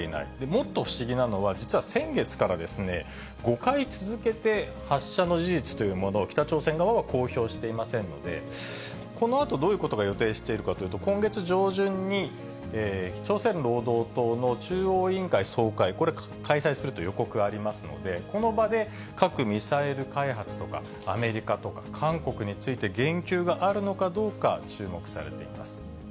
もっと不思議なのは、実は先月から、５回続けて発射の事実というものを北朝鮮側は公表していませんので、このあと、どういうことを予定しているかというと、今月上旬に朝鮮労働党の中央委員会総会、これ、開催すると予告ありますので、この場で核・ミサイル開発とか、アメリカとか韓国について言及があるのかどうか、注目されています。